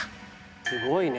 すごいね。